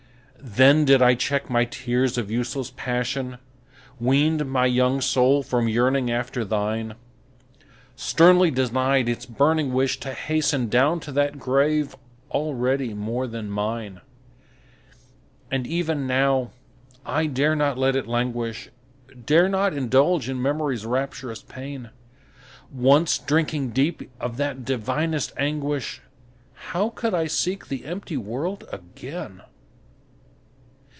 Then did I check my tears of useless passion, Weaned my young soul from yearning after thine, Sternly denied its burning wish to hasten Down to that grave already more than mine! And even now, I dare not let it languish, Dare not indulge in Memory's rapturous pain; Once drinking deep of that divinest anguish, How could I seek the empty world again?